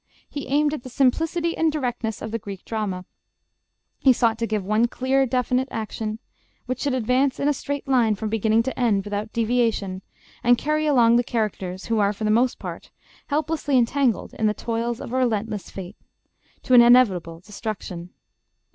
He aimed at the simplicity and directness of the Greek drama. He sought to give one clear, definite action, which should advance in a straight line from beginning to end, without deviation, and carry along the characters who are, for the most part, helplessly entangled in the toils of a relentless fate to an inevitable destruction.